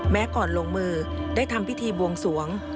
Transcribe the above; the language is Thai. ก่อนลงมือได้ทำพิธีบวงสวง